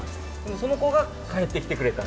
その子が帰ってきてくれたっ